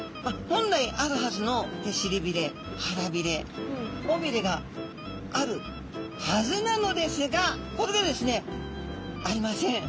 本来あるはずの尻びれ腹びれ尾びれがあるはずなのですがこれがですねありません。